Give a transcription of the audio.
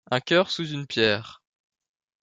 Un cœur sous une pierre